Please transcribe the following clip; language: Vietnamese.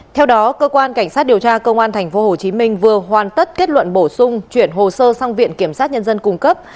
theo đó cơ quan cảnh sát điều tra công an tp hcm vừa hoàn tất kết luận bổ sung chuyển hồ sơ sang viện kiểm sát nhân dân cung cấp